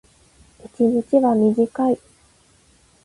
一日は短い。